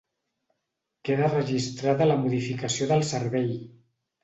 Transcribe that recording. Queda registrada la modificació del servei.